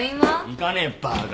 行かねえよバカ。